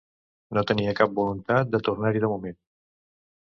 No tenia cap voluntat de tornar-hi de moment.